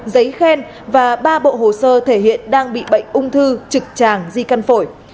giấy khen và ba bộ hồ sơ thể hiện đang bị bệnh ung thư trực tràng di căn phổi